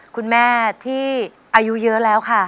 คุณแม่ที่อายุเยอะแล้วค่ะ